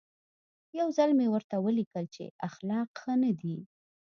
یو ځل مې ورته ولیکل چې اخلاق ښه نه دي.